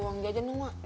waduh jangan jangan